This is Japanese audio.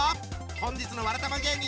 本日のわらたま芸人